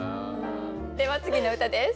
では次の歌です。